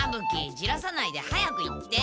じらさないで早く言って。